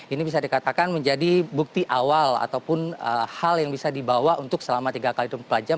ini bisa dikatakan menjadi bukti awal ataupun hal yang bisa dibawa untuk selama tiga kali pelajaran